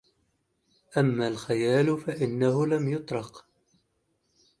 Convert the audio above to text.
أما الخيال فإنه لم يطرق